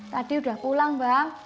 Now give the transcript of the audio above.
tadi udah pulang bang